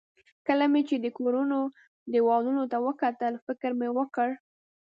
کله چې مې د کورونو دېوالونو ته وکتل، فکر مې وکړ.